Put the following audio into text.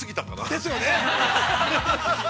◆ですよね。